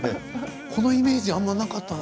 こんなイメージあまりなかったな。